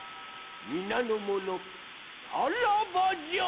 みなのものさらばじゃ！